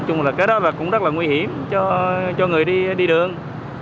nói chung là cái đó cũng rất là nguy hiểm cho người đi đường